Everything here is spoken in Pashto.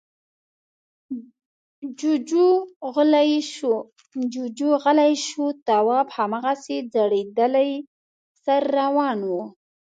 جُوجُو غلی شو. تواب هماغسې ځړېدلی سر روان و.